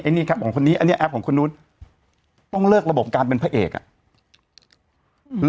ไอ้นี่ครับของคนนี้อันนี้แอปของคนนู้นต้องเลิกระบบการเป็นพระเอกอะ